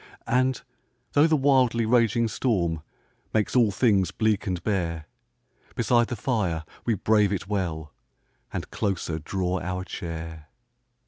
And, though the wildly raging storm Makes all things bleak and bare, Beside the fire we brave it well, And closer draw our chair.